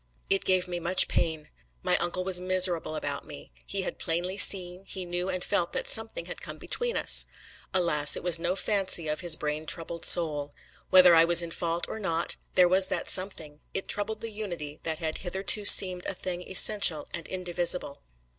It gave me much pain. My uncle was miserable about me: he had plainly seen, he knew and felt that something had come between us! Alas, it was no fancy of his brain troubled soul! Whether I was in fault or not, there was that something! It troubled the unity that had hitherto seemed a thing essential and indivisible!